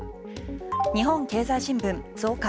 日本経済新聞、増加。